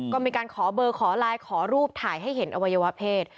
ก็มีการขอเบอร์ขอไลน์ขอรูปถ่ายให้เห็นอวัยวะเพศ